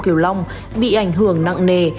sông kiều long bị ảnh hưởng nặng nề